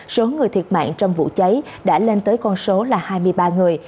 số người thiệt mạng trong vụ cháy đã lên tới con số là hai mươi ba người